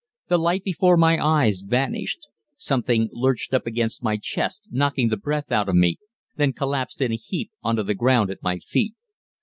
The light before my eyes vanished. Something lurched up against my chest, knocking the breath out of me, then collapsed in a heap on to the ground at my feet.